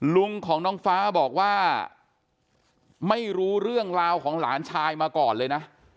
ลุงของน้องฟ้าบอกว่าไม่รู้เรื่องราวของหลานชายมาก่อนเลยนะ